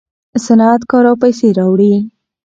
صنعت کار او پیسې راوړي.